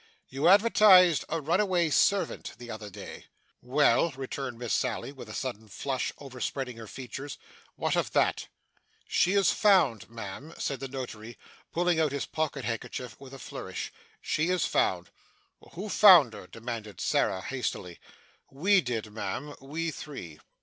You advertised a runaway servant, the other day?' 'Well,' returned Miss Sally, with a sudden flush overspreading her features, 'what of that?' 'She is found, ma'am,' said the Notary, pulling out his pocket handkerchief with a flourish. 'She is found.' 'Who found her?' demanded Sarah hastily. 'We did, ma'am we three.